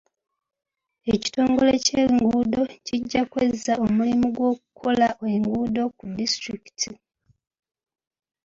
Ekitongole ky'enguudo kijja kwezza omulimu gw'okukola enguudo ku disitulikiti.